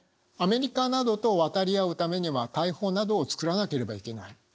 アメリカなどと渡り合うためには大砲などを作らなければいけない。